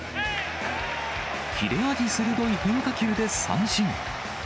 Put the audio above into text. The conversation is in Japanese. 切れ味鋭い変化球で三振。